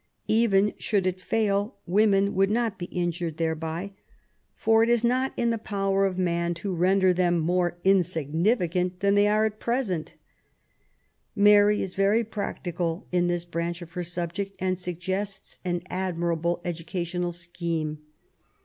Even should it fail, women would not be injured thereby, ''for it is not in the THE EIGHTS OF WOMEN. 97 power of man to render them more insignificant than they are at present/^ Mary is very practical in this branch of her subject, and suggests an admirable educational scheme.